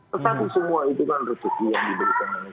tetapi semua itu kan rezeki yang diberikan oleh